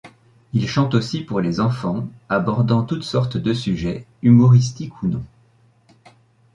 Il chante aussi pour les enfants, abordant tout sorte de sujet, humoristique ou non.